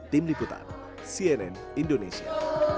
tim liputan cnn indonesia